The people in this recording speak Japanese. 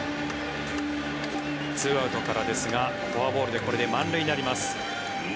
２アウトからですがフォアボールでこれで満塁になります。